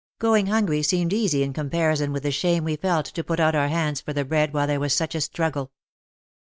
Going hungry seemed easy in comparison wth the shame we felt to put out our hands for the bread while there was such a struggle.